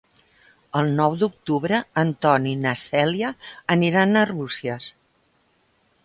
El nou d'octubre en Ton i na Cèlia aniran a Arbúcies.